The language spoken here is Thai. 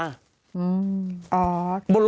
อืมอ๋อ